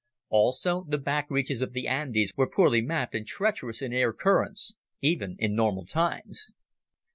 Also, the back reaches of the Andes were poorly mapped and treacherous in air currents, even in normal times.